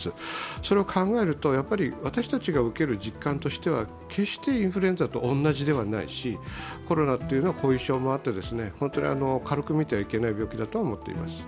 それを考えると、やはり私たちが受ける実感としては決してインフルエンザとは同じではないしコロナというのは後遺症もあって本当に軽く見てはいけない病気だとは思っています。